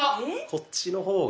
⁉こっちの方が。